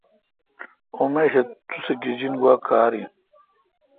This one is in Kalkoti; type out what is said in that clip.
اؙن میش توسہ گیجین گوا کار این۔